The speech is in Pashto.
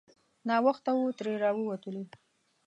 ناوخته وو ترې راووتلو.